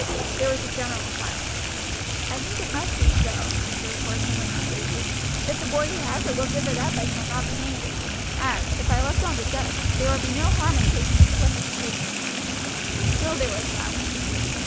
There was a general silence. "I think it must be so," Mr. Porson went on more gravely. "If the boy who has it will give it up I shall not be angry, as, if I left it on the desk, there would be no harm in taking it to look at the pictures." Still there was silence.